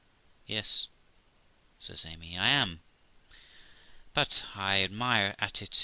' 'Yes ', says Amy, ' I am, but I admire at it.